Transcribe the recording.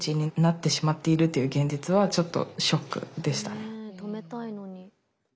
ねえ止めたいのに。